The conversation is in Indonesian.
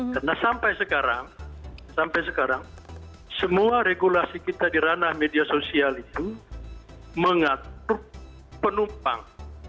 karena sampai sekarang semua regulasi kita di ranah media sosial itu mengatur penumpang